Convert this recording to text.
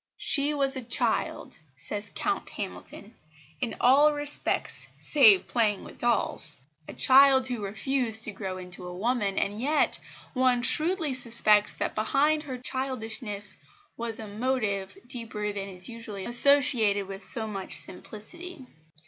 "She was a child," says Count Hamilton, "in all respects save playing with dolls" a child who refused to grow into a woman, and yet, one shrewdly suspects that behind her childishness was a motive deeper than is usually associated with so much simplicity.